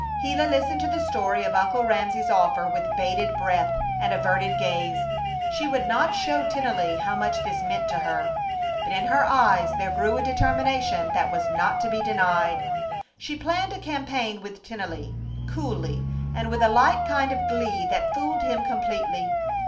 Gila listened to the story of Uncle Ramsey's offer with bated breath and averted gaze. She would not show Tennelly how much this meant to her. But in her eyes there grew a determination that was not to be denied. She planned a campaign with Tennelly, coolly, and with a light kind of glee that fooled him completely.